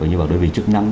như đơn vị chức năng